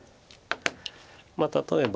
まあ例えば。